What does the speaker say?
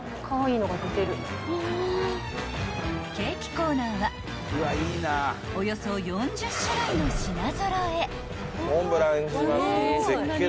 ［ケーキコーナーはおよそ４０種類の品揃え］